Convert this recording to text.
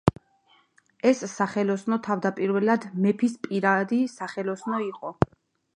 ეს სახელოსნო თავდაპირველად მეფის პირადი სახელოსნო იყო.